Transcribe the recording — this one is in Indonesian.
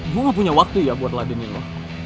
gue gak punya waktu ya buat ladenin lo